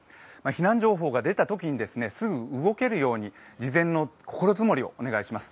避難情報が出たときにすぐ動けるように事前の心づもりをお願いします。